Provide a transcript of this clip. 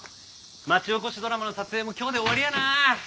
町おこしドラマの撮影も今日で終わりやなあ。